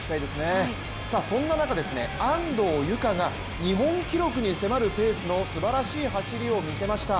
そんな中、安藤友香が日本記録に迫るペースのすばらしい走りを見せました。